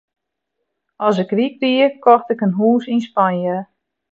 As ik ryk wie, kocht ik in hûs yn Spanje.